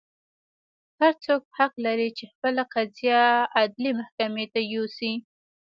هر څوک حق لري چې خپله قضیه عدلي محکمې ته یوسي.